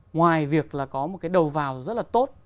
ngoài việc là có một cái đầu vào rất là tốt